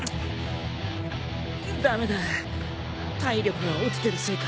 駄目だ体力が落ちてるせいか？